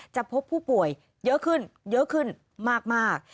พบผู้ป่วยเยอะขึ้นเยอะขึ้นมาก